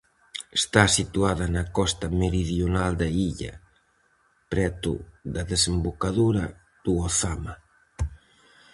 Está situada na costa meridional da illa, preto da desembocadura do Ozama.